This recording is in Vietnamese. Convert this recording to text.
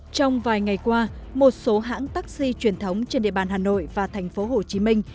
trong vài ngày qua một số hãng taxi truyền thống trên địa bàn hà nội và thành phố hồ chí minh